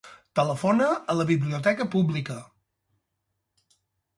Telefona a la biblioteca pública.